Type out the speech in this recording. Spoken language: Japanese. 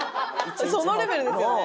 そのレベルですよね